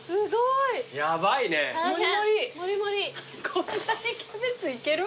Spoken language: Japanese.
こんなにキャベツいける？